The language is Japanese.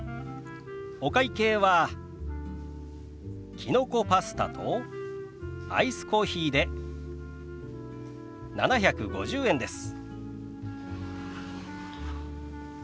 お会計はきのこパスタとアイスコーヒーで７５０円です。